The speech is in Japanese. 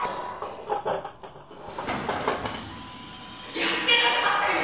やってられませんよ！